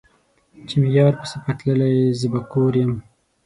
چې مې يار په سفر تللے زۀ به کور يم